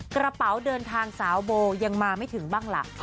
กระเป๋าเดินทางสาวโบยังมาไม่ถึงบ้างล่ะ